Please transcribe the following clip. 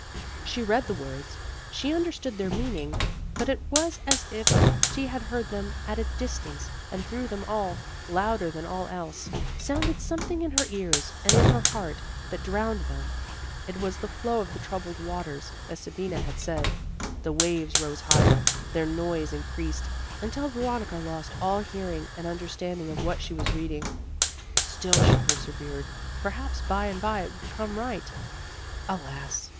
She read the words, she understood their meaning; but it was as if she heard them at a distance and through them all, louder than all else, sounded something in her ears and in her heart that drowned them. It was the flow of the troubled waters, as Sabina had said. The waves rose higher; their noise increased, until Veronica lost all hearing and understanding of what she was reading. Still she persevered; perhaps bye and bye it would come right. Alas!